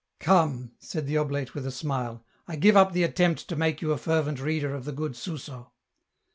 " Come," said the oblate, with a smile, " I give up the attempt to make you a fervent reader of the good Suso."